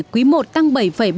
quý i tăng bảy bốn mươi năm